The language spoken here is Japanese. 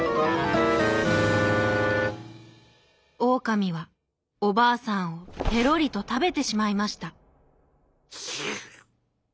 オオカミはおばあさんをペロリとたべてしまいました。